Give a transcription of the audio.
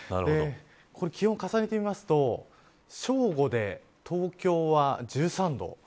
これ気温、重ねてみますと正午で、東京は１３度。